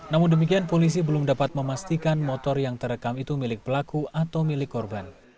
namun demikian polisi belum dapat memastikan motor yang terekam itu milik pelaku atau milik korban